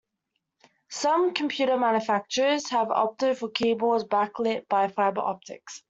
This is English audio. Some computer manufacturers have opted for keyboards back-lit by fiber-optics.